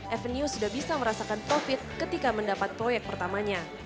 avenue sudah bisa merasakan profit ketika mendapat proyek pertamanya